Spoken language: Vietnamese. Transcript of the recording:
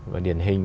và điển hình